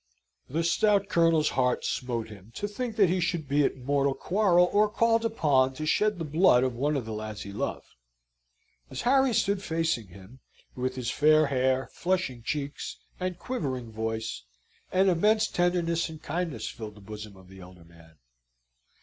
The stout Colonel's heart smote him to think that he should be at mortal quarrel or called upon to shed the blood of one of the lads he loved. As Harry stood facing him, with his fair hair, flushing cheeks, and quivering voice, an immense tenderness and kindness filled the bosom of the elder man.